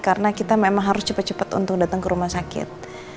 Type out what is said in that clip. karena kita memang harus cepat cepat untuk datang ke rumah sakit